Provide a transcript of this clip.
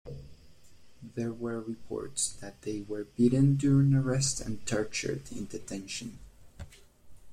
There were reports that they were beaten during arrest and tortured in detention.